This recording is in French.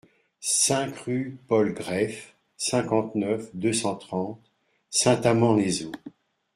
cinq rue Paul Greffe, cinquante-neuf, deux cent trente, Saint-Amand-les-Eaux